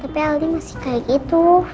tapi aldi masih kayak gitu